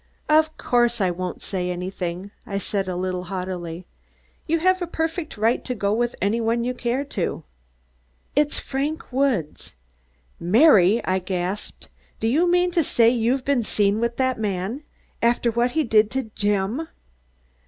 "Of course I won't say anything," I said a little haughtily. "You have a perfect right to go with any one you care to." "It's Frank Woods." "Mary," I gasped, "do you mean to say you'd be seen with that man, after what he did to Jim?"